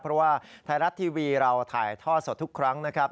เพราะว่าไทยรัฐทีวีเราถ่ายทอดสดทุกครั้งนะครับ